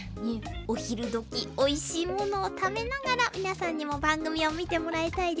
お昼時おいしいものを食べながら皆さんにも番組を見てもらいたいですね。